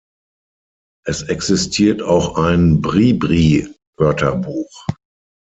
Es existiert auch ein Bribri-Wörterbuch.